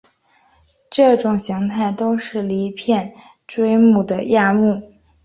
这种形态都是离片锥目的亚目。